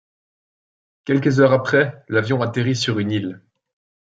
Quelques heures après, l'avion atterrit sur une île.